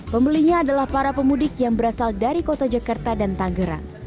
pembelinya adalah para pemudik yang berasal dari kota jakarta dan tanggerang